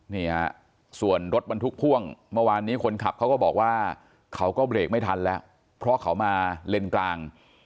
นี่ฮะส่วนรถบรรทุกพ่วงเมื่อวานนี้คนขับเขาก็บอกว่าเขาก็เบรกไม่ทันแล้วเพราะเขามาเลนกลาง